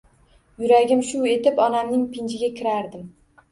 Yuragim shuv etib, onamning pinjiga kirardim.